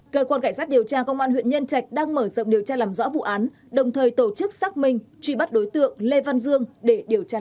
cơ quan cảnh sát điều tra công an huyện nhân trạch đang mở rộng điều tra làm rõ vụ án đồng thời tổ chức xác minh truy bắt đối tượng lê văn dương để điều tra làm rõ